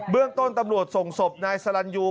เรื่องต้นตำรวจส่งศพนายสลันยู